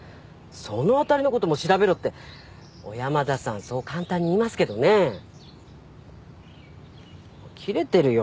その辺りのことも調べろって小山田さんそう簡単に言いますけどね切れてるよ